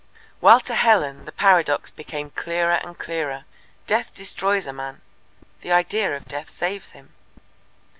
While to Helen the paradox became clearer and clearer. "Death destroys a man: the idea of Death saves him."